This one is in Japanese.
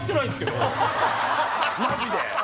マジで。